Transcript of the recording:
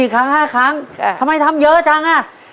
ครั้ง๕ครั้งทำไมทำเยอะจังอ่ะ